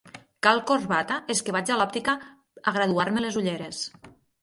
Cal corbata? És que vaig a l'òptica a graduar-me les ulleres...